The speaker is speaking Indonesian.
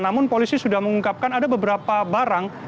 namun polisi sudah mengungkapkan ada beberapa barang